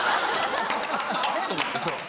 あれ⁉と思ってそう。